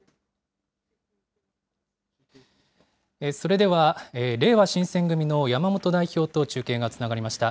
それでは、れいわ新選組の山本代表と中継がつながりました。